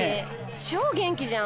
超元気じゃん。